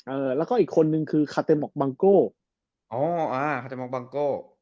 เออแล้วก็อีกคนนึงคือไขเตรบรางโกอ๋อไขเตรบรางโก